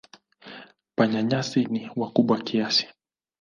Panya-nyasi ni wakubwa kiasi.